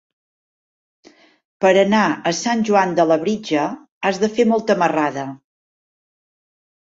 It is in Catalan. Per anar a Sant Joan de Labritja has de fer molta marrada.